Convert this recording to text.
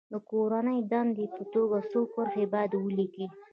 د کورنۍ دندې په توګه څو کرښې باید ولیکي.